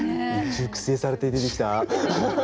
熟成されて出てきた。